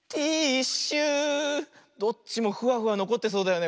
どっちもフワフワのこってそうだよね。